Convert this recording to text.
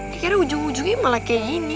akhirnya ujung ujungnya malah kayak gini